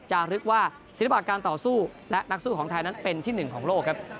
ลึกว่าศิลปะการต่อสู้และนักสู้ของไทยนั้นเป็นที่หนึ่งของโลกครับ